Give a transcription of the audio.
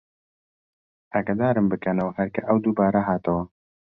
ئاگەدارم بکەنەوە هەر کە ئەو دووبارە هاتەوە